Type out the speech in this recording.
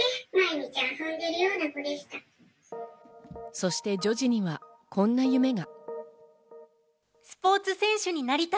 そして女児にはこんな夢が。